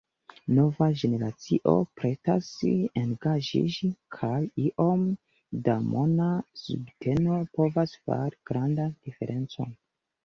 Nova generacio pretas engaĝiĝi, kaj iom da mona subteno povus fari grandan diferencon.